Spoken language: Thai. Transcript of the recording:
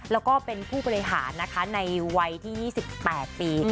แล้วก็เป็นผู้บริหารนะคะในวัยที่๒๘ปี